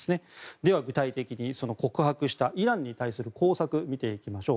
では、具体的に告白したイランに対する工作を見ていきましょう。